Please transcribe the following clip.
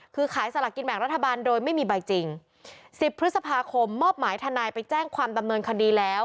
คือขายสลากกินแบ่งรัฐบาลโดยไม่มีใบจริง๑๐พฤษภาคมมอบหมายทนายไปแจ้งความดำเนินคดีแล้ว